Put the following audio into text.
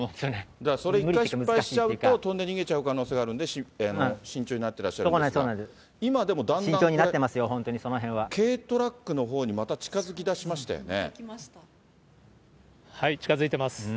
だから、それ一回失敗しちゃうと、飛んで逃げちゃう可能性があるので、慎重になってらっしゃ慎重になってますよ、本当に軽トラックのほうにまた近づ近づいてます。